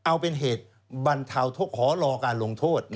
เอาเป็นเหตุบรรทาวทกฮอร์รอการลงโทษ